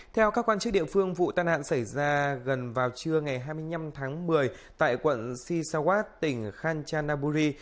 theo các quan chức địa phương vụ tai nạn xảy ra gần vào trưa ngày hai mươi năm tháng một mươi tại quận sisawat tỉnh khanchanaburi